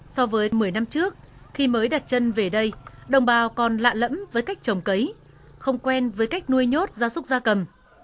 so với một mươi năm trước khi mới đặt chân về đây đồng bào còn lạ lẫm với cách trồng cấy không quen với cách nuôi nhốt gia súc gia cầm